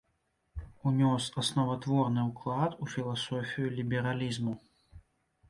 Унёс асноватворны ўклад у філасофію лібералізму.